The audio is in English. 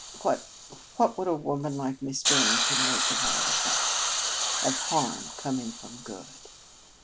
What what would a woman like Miss Barrington make of all that of harm coming from good?"